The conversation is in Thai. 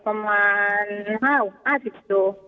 ประมาณ๕๐โต